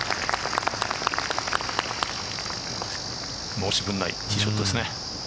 申し分ないいいショットですね。